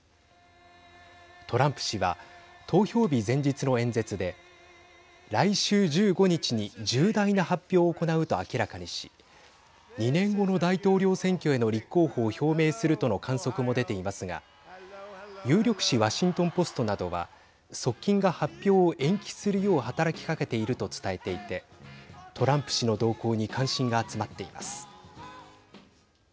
トランプ氏は投票日前日の演説で来週１５日に重大な発表を行うと明らかにし２年後の大統領選挙への立候補を表明するとの観測も出ていますが有力紙ワシントン・ポストなどは側近が発表を延期するよう働きかけていると伝えていてトランプ氏の動向に関心が集まっています。